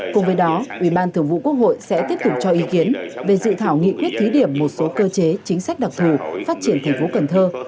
cùng với đó ủy ban thường vụ quốc hội sẽ tiếp tục cho ý kiến về dự thảo nghị quyết thí điểm một số cơ chế chính sách đặc thù phát triển thành phố cần thơ